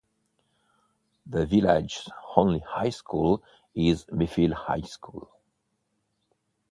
The village's only high school is Mayfield High School.